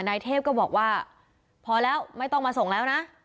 นายเทพก็บอกว่าพอแล้วไม่ต้องมาส่งแล้วนะ